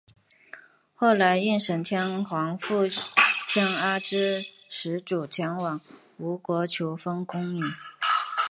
后来应神天皇复遣阿知使主前往吴国求缝工女。